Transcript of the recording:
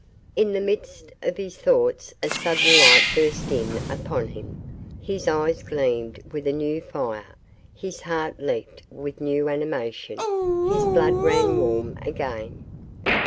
In the midst of his thoughts a sudden light burst in upon him. His eyes gleamed with a new fire, his heart leaped with new animation, his blood ran warm again.